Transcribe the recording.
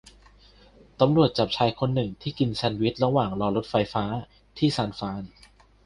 ตำรวจจับชายคนหนึ่งที่กินแชนด์วิชระหว่างรอรถไฟฟ้าที่ซานฟราน